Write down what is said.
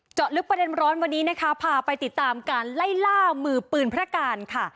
เจาะลึกประเด็นร้อนวันนี้นะคะพาไปติดตามการไล่ล่ามือปืนพระการค่ะ